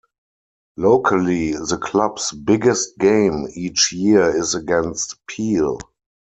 Locally, the clubs biggest game each year is against Peel.